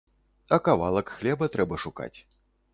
А кавалак хлеба трэба шукаць.